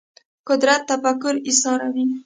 قدرت تفکر ایساروي